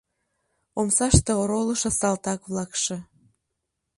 Омсаште оролышо салтак-влакше